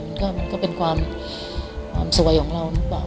มันก็เป็นความสวยของเราหรือเปล่า